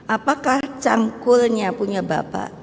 apakah cangkulnya punya bapak